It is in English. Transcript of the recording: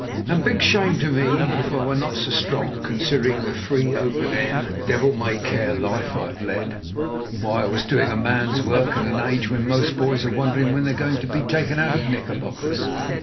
And big shame to me if I were not so strong, considering the free, open air, devil may care life I've led. Why, I was doing man's work at an age when most boys are wondering when they're going to be taken out of knickerbockers.